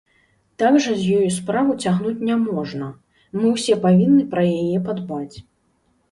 Так жа з ёю справу цягнуць няможна, мы ўсе павінны пра яе падбаць.